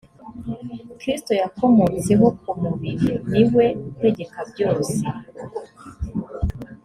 kristo yakomotseho ku mubiri ni we utegeka byose